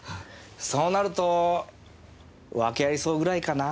そうなるとワケあり荘ぐらいかな。